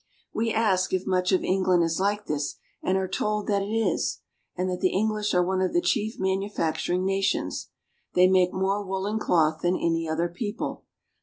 We ask if much of England is like this, and are told that it is, and that the English are one of the chief manu facturing nations. They make more woolen cloth than any other people.